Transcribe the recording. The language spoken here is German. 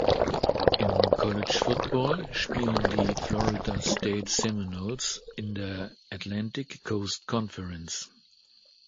Im College Football spielen die "Florida State Seminoles" in der Atlantic Coast Conference.